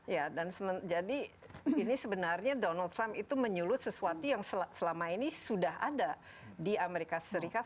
ya dan jadi ini sebenarnya donald trump itu menyulut sesuatu yang selama ini sudah ada di amerika serikat